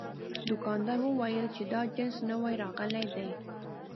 دوکاندار وویل چې دا جنس نوي راغلي دي.